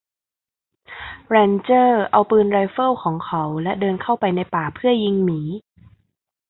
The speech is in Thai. แรนเจอร์เอาปืนไรเฟิลของเขาและเดินเข้าไปในป่าเพื่อยิงหมี